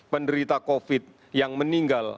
penderita covid yang meninggal